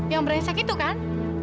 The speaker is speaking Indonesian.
yang meresak itu kan